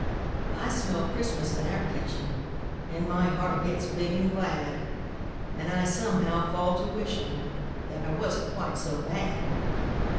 I smell Christmas in our kitchen, An' my heart gets big an' glad, An' I, somehow, fall to wishin', That I wasn't quite so bad.